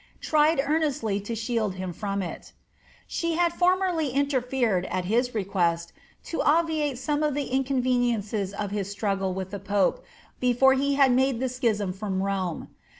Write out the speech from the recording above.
tried earnestly to shield Um from it She had formerly interfered, at his request, to obviate some of the in cooreniences of his struggle with the pope, before he had made the tdiism from Rome.